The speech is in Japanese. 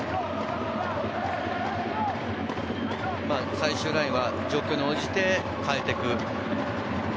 最終ラインは状況に応じて変えていく。